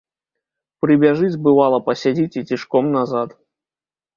Прыбяжыць, бывала, пасядзіць і цішком назад.